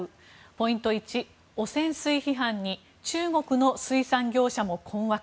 ポイント１、汚染水批判に中国の水産業者も困惑。